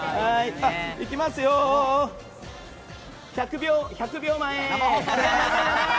行きますよ、１００秒前！